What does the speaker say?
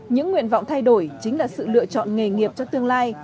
những nguyện vọng thay đổi chính là sự lựa chọn nghề nghiệp cho tương lai